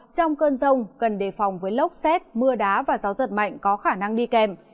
trong cơn rông cần đề phòng với lốc xét mưa đá và gió giật mạnh có khả năng đi kèm